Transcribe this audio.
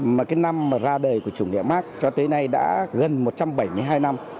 mà ra đời của chủ nghĩa mạc cho tới nay đã gần một trăm bảy mươi hai năm